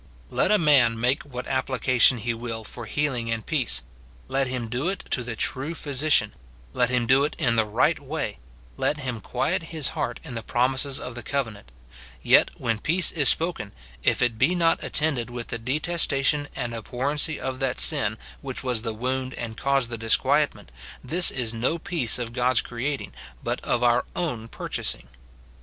Let a man make what application he will for healing and peace, let him do it to the true Physician, let him do it in the right way, let him quiet his heart in the promises of the covenant ; yet, when peace is spoken, if it be not attended with the detestation and abhorrency of that sin which was the wound and caused the disquiet ment, this is no peace of Gfod's creating, but of our oivn purchasing.